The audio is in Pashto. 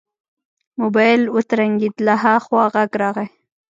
موبايل يې وترنګېد له ها خوا غږ راغی.